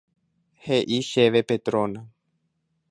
He'i chéve Petrona.